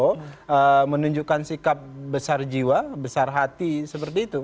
untuk menunjukkan sikap besar jiwa besar hati seperti itu